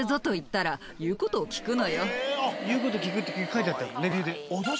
「言う事を聞く」って書いてあったレビューで。